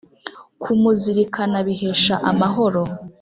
kumuzirikana bihesha amahoro